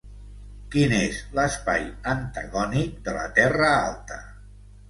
Quin és l'espai antagònic de la Terra alta?